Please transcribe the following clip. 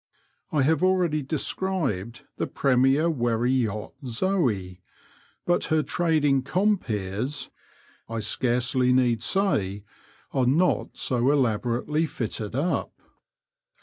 I have already described the premier wherry yacht Zoe, but her trading compeers, I scarcely need say, are not so elabo rately fitted up.